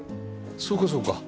そうかそうか。